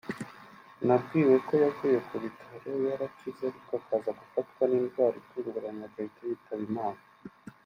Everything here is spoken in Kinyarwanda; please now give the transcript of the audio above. nabwiwe ko yavuye ku bitaro yarakize ariko akaza gufatwa n’indwara itunguranye agahita yitaba Imana